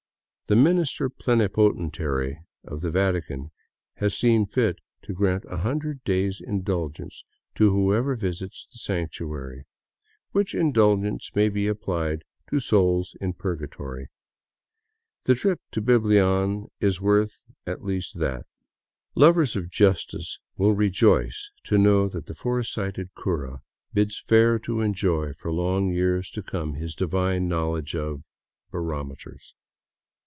The Minister Plenipotentiary of the Vatican has seen fit to grant a hundred days' indulgence to whoever visits the sanctuary, " which indulgence may be applied to souls in Purgatory." The trip to Biblian is worth at least that. Lovers of justice will rejoice to know that the foresighted cura bids fair to enjoy for long years to come his divine — knowledge of barometers.